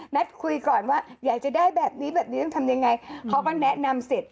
คุยก่อนว่าอยากจะได้แบบนี้แบบนี้ต้องทำยังไงเขาก็แนะนำเสร็จ